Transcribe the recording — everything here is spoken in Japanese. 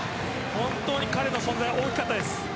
本当に彼の存在は大きかったです。